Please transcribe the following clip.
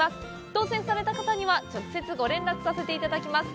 当せんされた方には、直接ご連絡させていただきます。